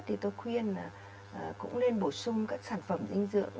thì tôi khuyên là cũng nên bổ sung các sản phẩm bệnh nhân